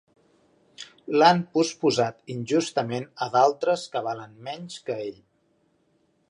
L'han posposat injustament a d'altres que valen menys que ell.